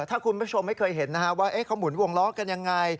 ถ้าคุณผู้ชมไม่เคยเห็นว่าเขาหมุนวงล้อกันยังไง